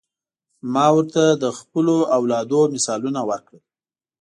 ما ورته د خپلو اولادونو مثالونه ورکړل.